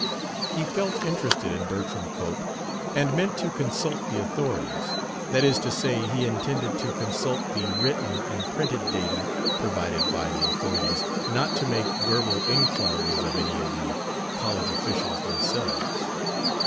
He felt interested in Bertram Cope and meant to consult the authorities. That is to say, he intended to consult the written and printed data provided by the authorities, not to make verbal inquiries of any of the college officials themselves.